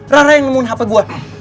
rara yang nemuin hp gue